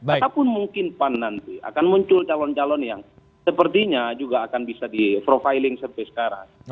ataupun mungkin pan nanti akan muncul calon calon yang sepertinya juga akan bisa di profiling sampai sekarang